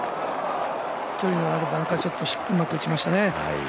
距離のあるバンカーショットをうまく打ちましたね。